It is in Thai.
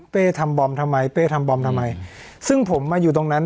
ทำบอมทำไมเป้ทำบอมทำไมซึ่งผมมาอยู่ตรงนั้น